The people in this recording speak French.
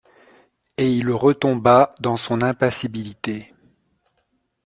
Et il retomba dans son impassibilité.